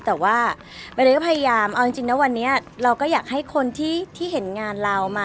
แต่ว่าใบเตยก็พยายามเอาจริงนะวันนี้เราก็อยากให้คนที่เห็นงานเรามา